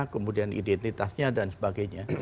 kemudian identitasnya dan sebagainya